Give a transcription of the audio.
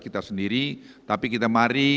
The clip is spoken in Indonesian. kita sendiri tapi kita mari